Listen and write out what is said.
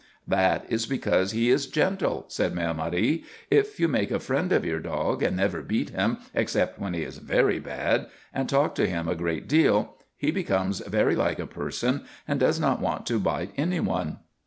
"That is because he is gentle," said Mère Marie. "If you make a friend of your dog, and never beat him except when he is very bad, and talk to him a great deal, he becomes very like a person and does not want to bite any one."